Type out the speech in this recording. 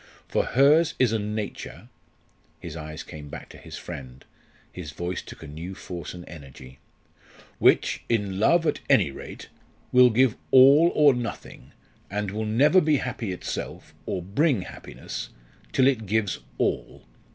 For hers is a nature" his eyes came back to his friend; his voice took a new force and energy "which, in love at any rate, will give all or nothing and will never be happy itself, or bring happiness, till it gives all.